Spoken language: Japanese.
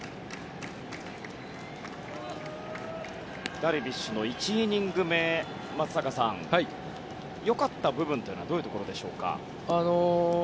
ダルビッシュの１イニング目松坂さん、良かった部分はどういうところでしょうか。